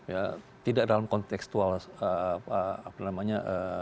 ya tidak dalam konteksual apa namanya